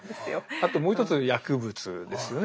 あともう一つ薬物ですよね